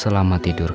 selamat tidur guys